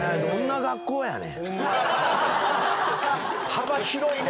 幅広いね。